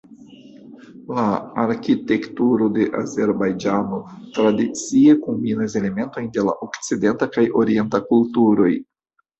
La arkitekturo de Azerbajĝano tradicie kombinas elementojn de la okcidenta kaj orienta kulturoj.